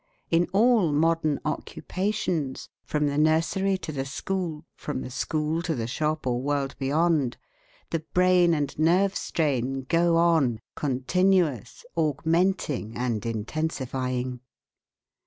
In all modern occupations from the nursery to the school, from the school to the shop or world beyond the brain and nerve strain go on, continuous, augmenting, and intensifying.